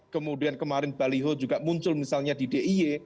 kemudian kemarin baliho juga muncul misalnya di d i e